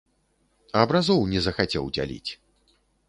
Абразоў не захацеў дзяліць.